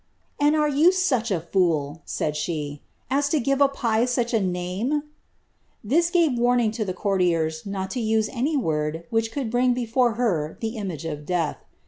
^ And are you such a tool)'' nid she, ^ as to give a pie such a name ? This gave warning to the courtiers not to use any word which could bring before her the iniage of death.'